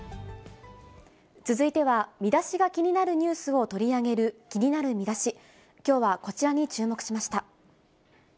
続いては、見出しが気になるニュースを取り上げる気になるミダシ、きょうはこちらに注目しました。